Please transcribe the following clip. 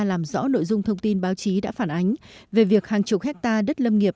làm rõ nội dung thông tin báo chí đã phản ánh về việc hàng chục hectare đất lâm nghiệp